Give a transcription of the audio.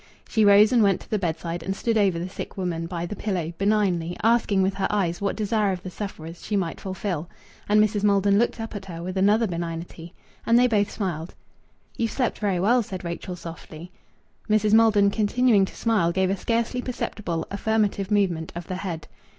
She rose and went to the bedside and stood over the sick woman, by the pillow, benignly, asking with her eyes what desire of the sufferer's she might fulfil. And Mrs. Maldon looked up at her with another benignity. And they both smiled. "You've slept very well," said Rachel softly. Mrs. Maldon, continuing to smile, gave a scarcely perceptible affirmative movement of the head.